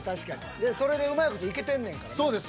でそれでうまい事いけてんねんからね。